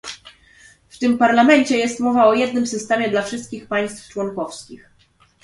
W tym Parlamencie jest mowa o jednym systemie dla wszystkich państw członkowskich